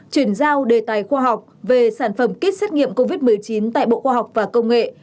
chuyển giao đề tài khoa học về sản phẩm kit xét nghiệm covid một mươi chín tại bộ khoa học và công nghệ